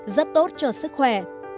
rất tốt cho sức khỏe